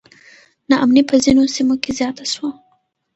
نا امني په ځینو سیمو کې زیاته سوه.